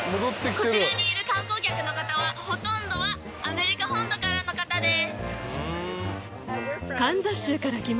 こちらにいる観光客の方はほとんどはアメリカ本土からの方です！